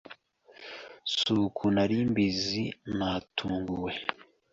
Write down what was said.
Suku nari mbizi natunguwe